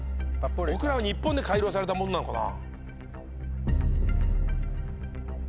オクラは日本で改良されたものなのかな。